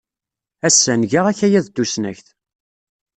Ass-a, nga akayad n tusnakt.